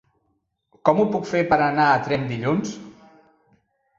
Com ho puc fer per anar a Tremp dilluns?